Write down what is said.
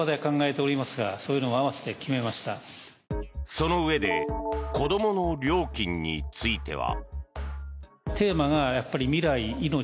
そのうえで子どもの料金については。